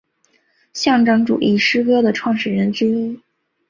象征主义诗歌的创始人之一。